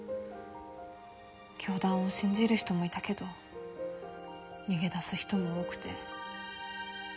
教団を信じる人もいたけど逃げ出す人も多くて。